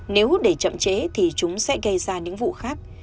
nếu để chậm chế thì chúng sẽ gây ra những vụ khác